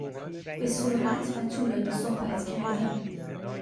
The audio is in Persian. به سرعت و طولانی صحبت کردن